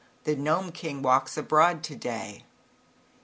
The Gnome King walks abroad to day."